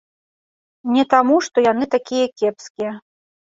Не таму, што яны такія кепскія.